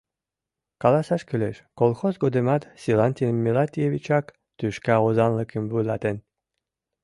Каласаш кӱлеш: колхоз годымат Силантий Мелантьевичак тӱшка озанлыкым вуйлатен.